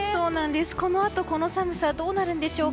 このあとこの寒さどうなるんでしょうか。